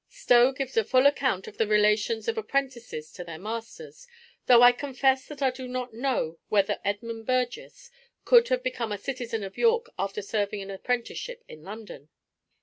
Stowe gives a full account of the relations of apprentices to their masters; though I confess that I do not know whether Edmund Burgess could have become a citizen of York after serving an apprenticeship in London.